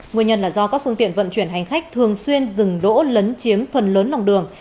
nguyên nhân là do các phương tiện vận chuyển hành khách thường xuyên dừng đỗ lấn chiếm phần lớn lòng đường